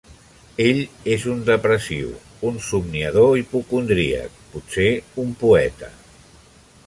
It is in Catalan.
Ell és un depressiu, un somniador hipocondríac, potser un poeta.